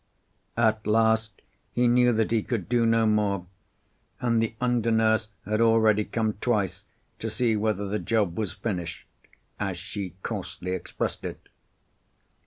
At last he knew that he could do no more, and the under nurse had already come twice to see whether the job was finished, as she coarsely expressed it.